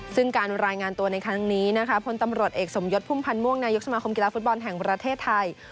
ซึ่งการรายงานตัวในครั้งนี้นะคะพลตำรวจเอกสมยศพุ่มพันธ์ม่วงนายกสมาคมกีฬาฟุตบอลแห่งประเทศไทย